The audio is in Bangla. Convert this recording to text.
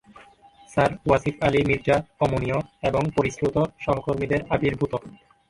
স্যার ওয়াসিফ আলী মির্জা কমনীয় এবং পরিশ্রুত সহকর্মীদের আবির্ভূত।